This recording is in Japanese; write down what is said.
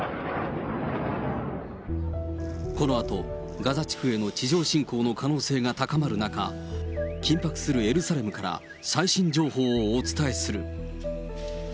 このあとガザ地区への地上侵攻の可能性が高まる中、緊迫するエルサレムから最新情報をお伝えする。